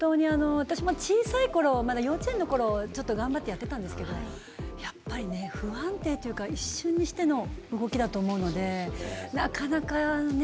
私も小さい頃、幼稚園の頃、頑張ってやってたんですけど、やっぱりね、不安定というか、一瞬にしての動きだと思うので、なかなかね。